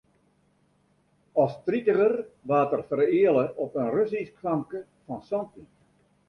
As tritiger waard er fereale op in Russysk famke fan santjin.